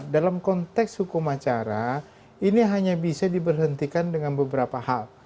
dalam konteks hukum acara ini hanya bisa diberhentikan dengan beberapa hal